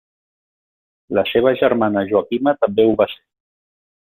La seva germana Joaquima també ho va ser.